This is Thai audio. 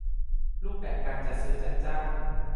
รูปแบบการจัดซื้อจัดจ้าง